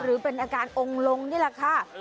หรือเป็นอาการองค์ลงนี่แหละค่ะ